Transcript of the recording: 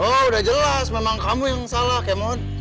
oh udah jelas memang kamu yang salah kemon